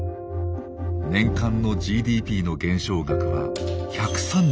年間のＧＤＰの減少額は１３４兆円。